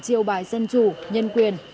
chiêu bài dân chủ nhân quyền